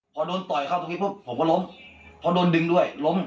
พอโดนต่อยเข้าตรงนี้ปุ๊บผมก็ล้มเพราะโดนดึงด้วยล้ม